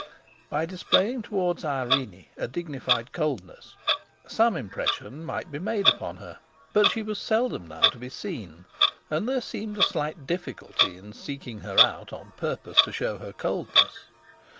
By displaying towards Irene a dignified coldness, some impression might be made upon her; but she was seldom now to be seen, and there seemed a slight difficulty in seeking her out on purpose to show her coldness.